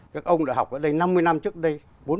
các ông đã học ở đây năm mươi năm trước đây